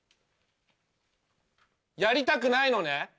やりたくないのね？